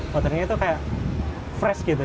voternya itu kayak fresh gitu